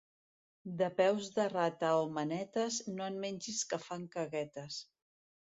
De peus de rata o manetes no en mengis que fan caguetes.